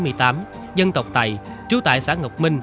sinh năm một nghìn chín trăm chín mươi tám dân tộc tày trú tại xã ngọc minh